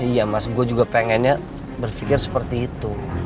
iya mas gue juga pengennya berpikir seperti itu